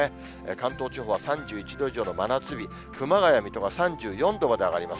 関東地方は３１度以上の真夏日、熊谷、水戸が３４度まで上がります。